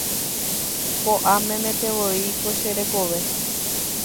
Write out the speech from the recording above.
Po'a memetevoi ko che rekove.